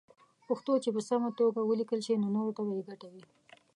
پښتو چې په سم ډول وليکلې شي نو نوره ته به يې ګټه وي